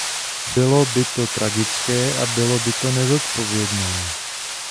Bylo by to tragické a bylo by to nezodpovědné.